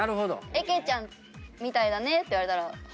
えけちゃんみたいだねって言われたら褒め言葉？